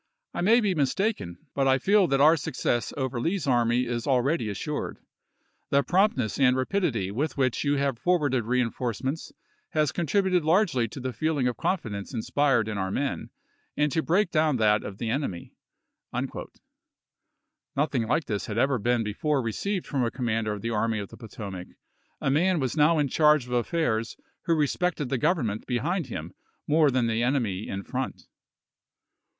I may be mistaken, but I feel that our success over Lee's army is al ready assured. The promptness and rapidity with Grant, which you have forwarded reenf orcements has con "MlmoS" tributed largely to the feeling of confidence inspired p*! 253." in our men, and to break down that of the enemy." Nothing like this had ever before been received from a commander of the Ai my of the Potomac ; a man was now in charge of affairs who respected the Government behind him more than the enemy in front.